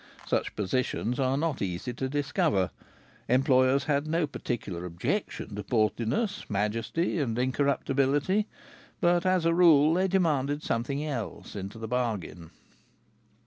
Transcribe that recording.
Such positions are not easy to discover. Employers had no particular objection to portliness, majesty and incorruptibility, but as a rule they demanded something else into the bargain.